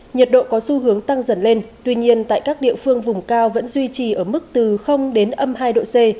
nhiệt độ có xu hướng tăng dần lên tuy nhiên tại các địa phương vùng cao vẫn duy trì ở mức từ đến âm hai độ c